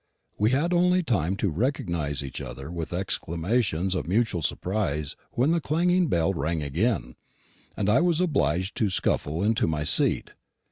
We had only time to recognise each other with exclamations of mutual surprise when the clanging bell rang again, and I was obliged to scuffle into my seat.